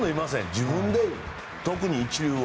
自分で特に一流は。